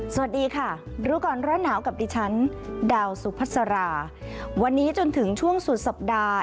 สวัสดีค่ะรู้ก่อนร้อนหนาวกับดิฉันดาวสุพัสราวันนี้จนถึงช่วงสุดสัปดาห์